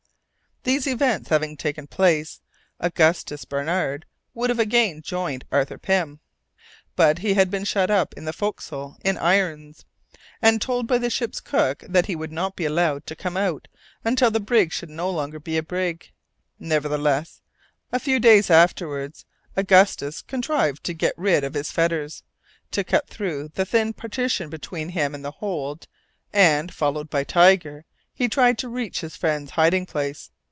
These events having taken place, Augustus Barnard would again have joined Arthur Pym, but he had been shut up in the forecastle in irons, and told by the ship's cook that he would not be allowed to come out until "the brig should be no longer a brig." Nevertheless, a few days afterwards, Augustus contrived to get rid of his fetters, to cut through the thin partition between him and the hold, and, followed by Tiger, he tried to reach his friend's hiding place.